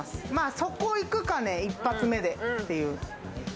そこ行くかね、１発目でっていう。